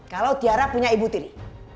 kalau tiara punya ibu tiri